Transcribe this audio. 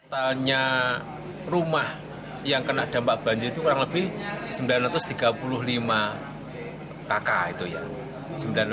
tanya rumah yang kena dampak banjir itu kurang lebih sembilan ratus tiga puluh lima kakak itu ya